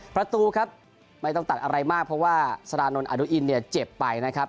ประตูครับไม่ต้องตัดอะไรมากเพราะว่าสารานนทอนุอินเนี่ยเจ็บไปนะครับ